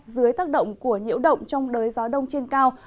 dưới tác động của nhiễu động trong đới gió đông trên cao